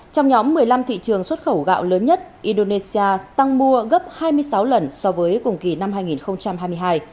trong nhóm một mươi năm thị trường xuất khẩu gạo lớn nhất indonesia tăng mua gấp hai mươi sáu lần so với cùng kỳ năm hai nghìn hai mươi hai